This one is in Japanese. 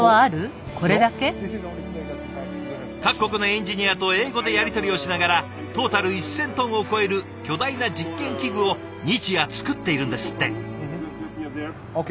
各国のエンジニアと英語でやり取りをしながらトータル１，０００トンを超える巨大な実験器具を日夜作っているんですって。ＯＫ。